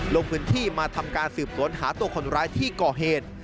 ลงพื้นที่มาทำการสืบสวนหาตัวคนร้ายที่ก่อเหตุ